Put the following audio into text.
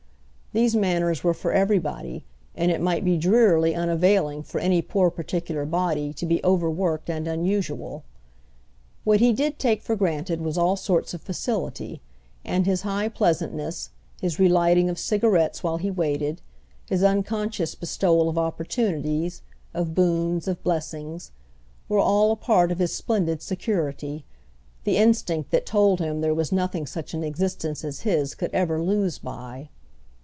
These manners were for everybody, and it might be drearily unavailing for any poor particular body to be overworked and unusual. What he did take for granted was all sorts of facility; and his high pleasantness, his relighting of cigarettes while he waited, his unconscious bestowal of opportunities, of boons, of blessings, were all a part of his splendid security, the instinct that told him there was nothing such an existence as his could ever lose by.